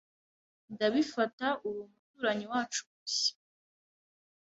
Ndabifata uri umuturanyi wacu mushya.